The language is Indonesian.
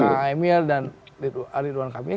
kang emil dan ridwan kamil